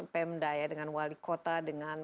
pemda ya dengan wali kota dengan